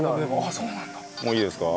もういいですか？